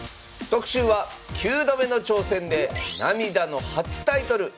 特集は９度目の挑戦で涙の初タイトル！